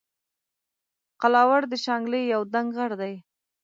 قلاور د شانګلې یو دنګ غر دے